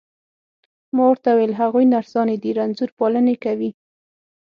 ما ورته وویل: هغوی نرسانې دي، رنځور پالني کوي.